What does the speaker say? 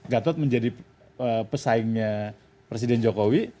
gatot menjadi pesaingnya presiden jokowi